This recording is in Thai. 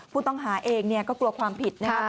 ผู้ต้องหาเองก็กลัวความผิดนะครับ